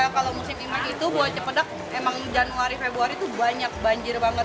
kalau musim imlek itu buah cempedak emang januari februari itu banyak banjir banget